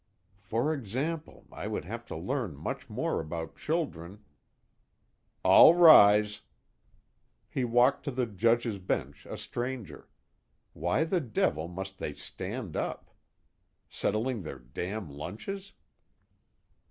For example, I would have to learn much more about children "All rise!" He walked to the Judge's bench a stranger. Why the devil must they stand up? Settling their damn lunches?